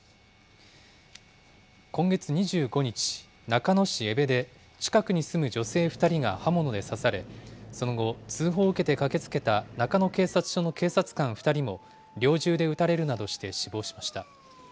今月２５日、中野市江部で、近くに住む女性２人が刃物で刺され、その後、通報を受けて駆けつけた中野警察署の警察官２人も猟銃で撃たれるなどして死亡しました。